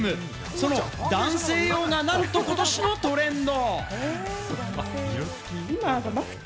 その男性用がなんと今年のトレンド。